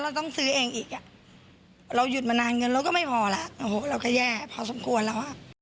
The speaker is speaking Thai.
เราก็แย่พอสมควรแล้วอะ